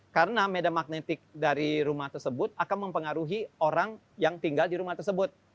karena medan magnetik dari rumah tersebut akan mempengaruhi orang yang tinggal di rumah tersebut